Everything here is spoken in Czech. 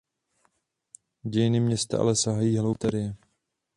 Dějiny města ale sahají hlouběji do historie.